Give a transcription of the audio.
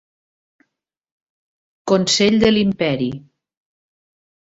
Consell de l'imperi.